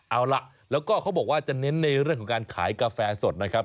เอาล่ะแล้วก็เขาบอกว่าจะเน้นในเรื่องของการขายกาแฟสดนะครับ